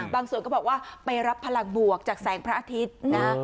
ก็บอกว่าไปรับพลังบวกจากแสงพระอาทิตย์นะ